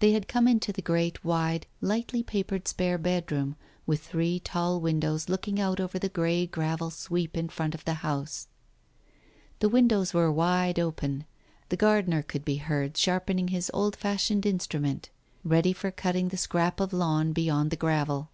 They had come into the great, wide, lightly papered, spare bedroom, with three tall windows looking out over the grey gravel sweep in front of the house. The windows were wide open. The gardener could be heard sharpening his old fashioned instrument ready for cut ting the scrap of lawn beyond the gravel.